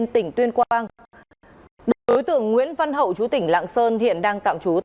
tỉnh tuyên quang đối tượng nguyễn văn hậu chú tỉnh lạng sơn hiện đang tạm trú